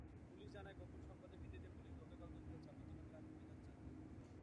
Police জানায়, গোপন সংবাদের ভিত্তিতে পুলিশ গতকাল দুপুরে চাঁপাতলা গ্রামে অভিযান চালায়।